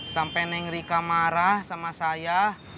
sampai neng rika marah sama saya